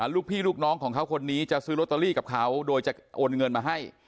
ลูกพี่ลูกน้องของเขาคนนี้จะซื้อลอตเตอรี่กับเขาโดยจะโอนเงินมาให้